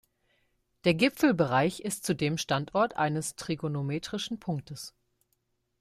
Der Gipfelbereich ist zudem Standort eines Trigonometrischen Punktes.